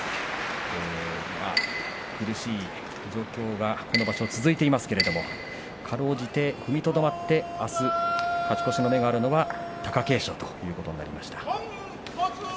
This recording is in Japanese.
苦しい状況がこの場所続いていますがかろうじて踏みとどまってあす勝ち越しの目があるのは貴景勝ということになりました。